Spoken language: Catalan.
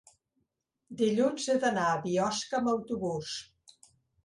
dilluns he d'anar a Biosca amb autobús.